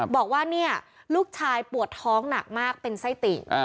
บอกว่าเนี่ยลูกชายปวดท้องหนักมากเป็นไส้ติ